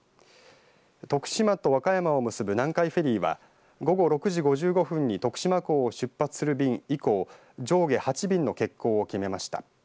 徳島と和歌山を結ぶ南海フェリーは午後６時５５分に徳島港を出発する便以降上下８便の欠航を決めました。